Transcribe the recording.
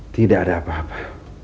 tidak ada apa apa